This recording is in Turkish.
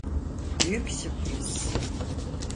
Büyük sürpriz.